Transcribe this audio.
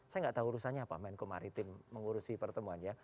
saya nggak tahu urusannya apa menko maritim mengurusi pertemuan ya